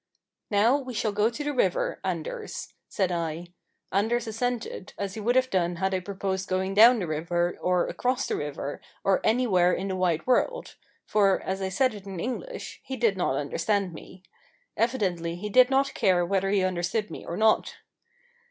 "Now we shall go up the river, Anders," said I. Anders assented, as he would have done had I proposed going down the river, or across the river, or anywhere in the wide world; for, as I said it in English, he did not understand me. Evidently he did not care whether he understood me or not!